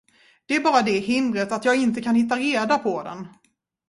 Det är bara det hindret att jag inte kan hitta reda på den.